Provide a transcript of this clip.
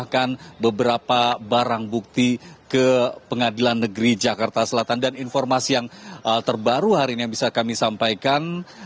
bahkan beberapa barang bukti ke pengadilan negeri jakarta selatan dan informasi yang terbaru hari ini yang bisa kami sampaikan